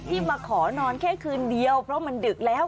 มาขอนอนแค่คืนเดียวเพราะมันดึกแล้ว